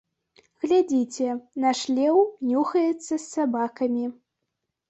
Глядзіце, наш леў нюхаецца з сабакамі.